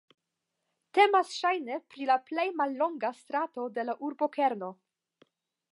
Temas ŝajne pri la plej mallonga strato de la urbokerno.